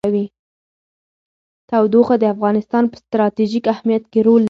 تودوخه د افغانستان په ستراتیژیک اهمیت کې رول لري.